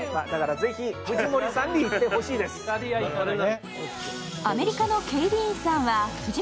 ぜひ藤森さんに行ってほしいですね。